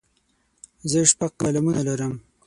زه شپږ قلمونه لرم.